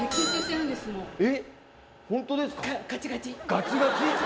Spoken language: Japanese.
ガチガチ？